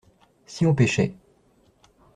Si on pêchait.